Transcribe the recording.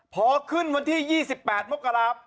พอขึ้นวันที่๒๘มกรา